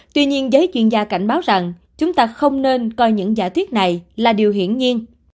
tuy nhiên giới chuyên gia cảnh báo rằng chúng ta không nên coi những giả thuyết này là điều hiển nhiên